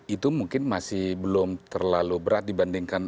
itu mungkin masih belum terlalu berat dibandingkan